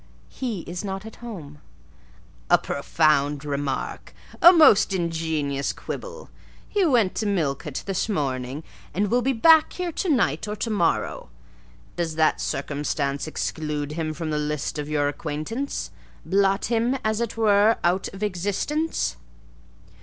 "He is not at home." "A profound remark! A most ingenious quibble! He went to Millcote this morning, and will be back here to night or to morrow: does that circumstance exclude him from the list of your acquaintance—blot him, as it were, out of existence?"